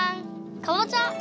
かぼちゃ！